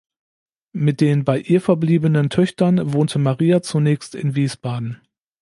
Mit den bei ihr verbliebenen Töchtern wohnte Maria zunächst in Wiesbaden.